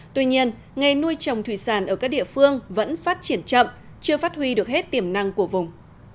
tuy nhiên nghề nuôi trồng thủy sản ở các địa phương vẫn phát triển chậm chưa phát huy được hết tiềm năng của vùng